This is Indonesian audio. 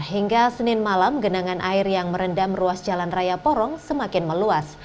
hingga senin malam genangan air yang merendam ruas jalan raya porong semakin meluas